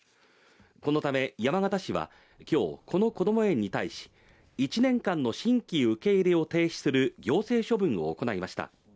このため、山形市は今日このこども園に対し、１年間の新規受け入れを停止する行政処分を行いました。